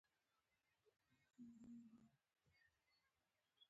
ټکټونه یې په سختۍ سره پیدا کېدل.